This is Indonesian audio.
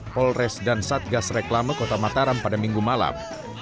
polres dan satgas reklama kota mataram pada minggu malam